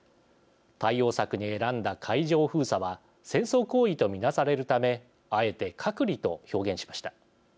対応策に選んだ海上封鎖は戦争行為と見なされるためあえて隔離と表現しました。